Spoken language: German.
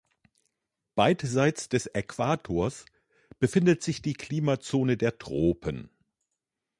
Beidseits des Äquators befindet sich die Klimazone der Tropen.